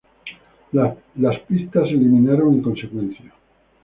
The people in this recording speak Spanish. Las pistas se eliminaron en consecuencia.